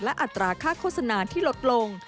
อัตราค่าโฆษณาที่ลดลง